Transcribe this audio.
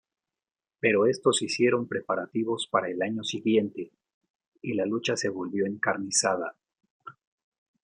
Pero estos hicieron preparativos para el año siguiente, y la lucha se volvió encarnizada.